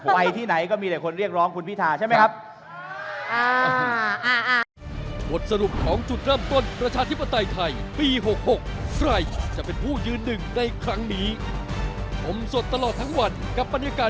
ไปที่ไหนก็มีแต่คนเรียกร้องคุณพิธาใช่ไหมครับ